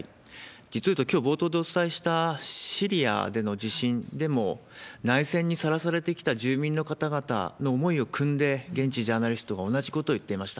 実をいうと、きょう、冒頭でお伝えしたシリアでの地震でも、内戦にさらされてきた住民の方々の思いをくんで、現地ジャーナリストが同じことを言っていました。